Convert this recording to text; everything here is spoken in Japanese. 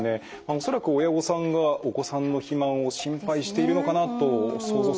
恐らく親御さんがお子さんの肥満を心配しているのかなと想像するんですがいかがでしょうか？